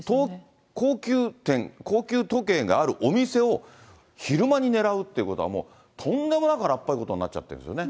高級店、高級時計があるお店を昼間に狙うっていうことは、もうとんでもなく荒っぽいことになっちゃってるんですよね。